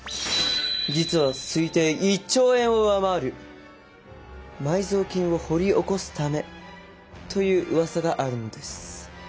実は推定１兆円を上回る埋蔵金を掘り起こすためといううわさがあるのです。